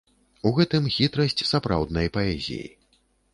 У гэтым хітрасць сапраўднай паэзіі.